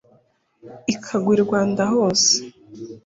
ikagwa i rwanda hose